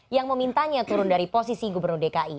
yang memintanya turun dari posisi gubernur dki